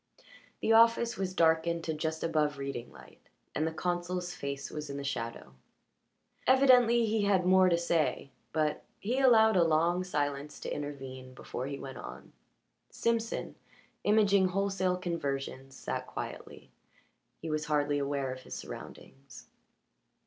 The office was darkened to just above reading light, and the consul's face was in the shadow. Evidently he had more to say, but he allowed a long silence to intervene before he went on. Simpson, imaging wholesale conversions, sat quietly; he was hardly aware of his surroundings.